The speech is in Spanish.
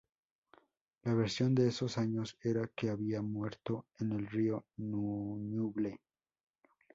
La versión de esos años era que había muerto en el río Ñuble.